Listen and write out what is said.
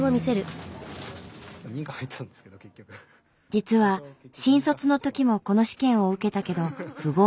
実は新卒のときもこの試験を受けたけど不合格に。